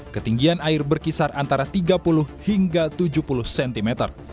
ketinggian air berkisar antara tiga puluh hingga tujuh puluh cm